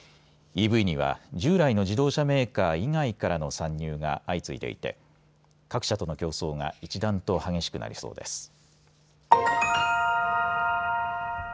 ＥＶには従来の自動車メーカー以外からの参入が相次いでいて各社との競争が一段と激しくなりそうです。